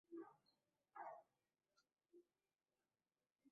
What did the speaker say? কোনো কোনো প্রতিষ্ঠানের মালিকানাধীন মূল্যবান বৃক্ষ নামমাত্র মূল্যে বিক্রি হয়ে যায়।